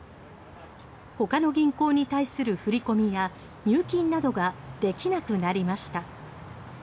ほかの銀行に対する振り込みや入金などができなくなりました。